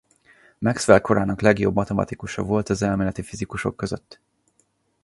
Maxwell korának legjobb matematikusa volt az elméleti fizikusok között.